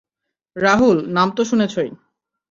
রাহুল, নাম তো শুনেছই।